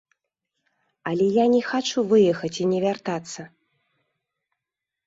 Але я не хачу выехаць і не вяртацца.